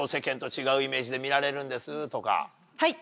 はい。